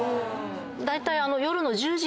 だいたい。